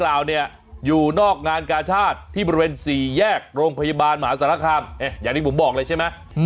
แล้วก็นำคนเจ็บส่งโรงพยาบาลมหาศาลคาม